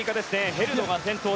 ヘルドが先頭。